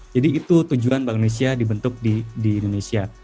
jadi itu tujuan bank indonesia dibentuk di indonesia